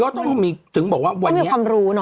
ต้องมีความรู้